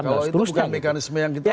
kalau itu bukan mekanisme yang kita